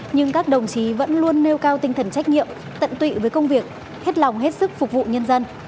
nhưng các đồng chí vẫn luôn nêu cao tinh thần trách nhiệm tận tụy với công việc hết lòng hết sức phục vụ nhân dân